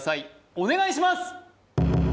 お願いします